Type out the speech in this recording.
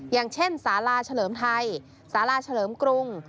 อย่างเช่นสาลาเฉลิมไทยสาลาเฉลิมกรุง